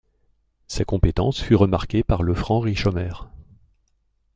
Sa compétence fut remarquée par le Franc Richomer.